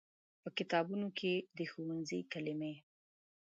په کتابونو کې د ښوونځي کلمې